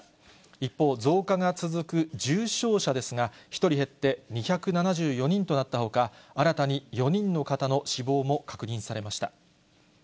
一方、増加が続く重症者ですが、１人減って２７４人となったほか、新たに４人の方の死亡も確認されました。